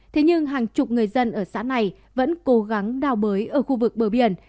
thế nhưng hàng chục người dân ở xã này vẫn cố gắng đào bới ở khu vực bờ biển